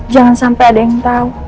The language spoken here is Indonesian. jangan sampai ada yang tahu